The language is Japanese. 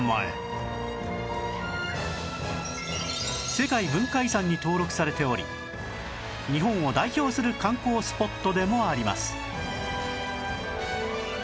世界文化遺産に登録されており日本を代表する観光スポットでもあります